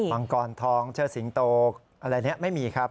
มังกรทองเชิดสิงโตอะไรนี้ไม่มีครับ